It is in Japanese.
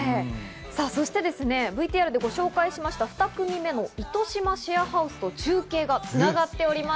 そしてＶＴＲでご紹介しました２組目の、いとしまシェアハウスと中継が繋がっております。